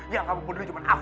yang kamu peduli cuma